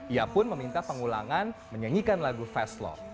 ia pun meminta pengulangan menyanyikan lagu fast love